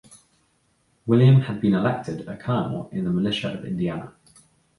William had been elected a Colonel in the militia of Indiana.